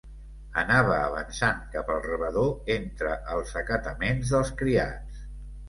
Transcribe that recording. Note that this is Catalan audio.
Anava avançant cap al rebedor entre els acataments dels criats